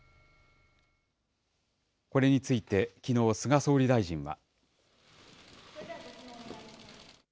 これについて、きのう、菅総理大臣は。